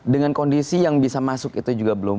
dengan kondisi yang bisa masuk itu juga belum